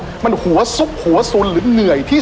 อัศวินตรีอัศวินตรี